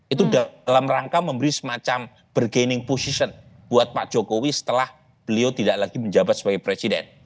itu dalam rangka memberi semacam bergaining position buat pak jokowi setelah beliau tidak lagi menjabat sebagai presiden